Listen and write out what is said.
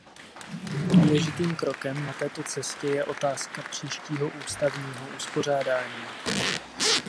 Důležitým krokem na této cestě je otázka příštího ústavního uspořádání.